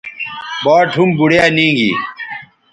باٹ ھُم بوڑیا نی گی